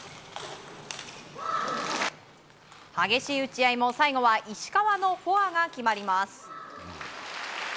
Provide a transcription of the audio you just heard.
激しい打ち合いも最後は石川のフォアが決まります。